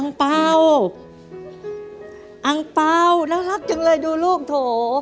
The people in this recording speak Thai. อังเป้าอังเป้าน่ารักจังเลยดูลูกโถ